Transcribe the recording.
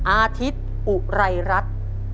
อาธิตอุไรรัส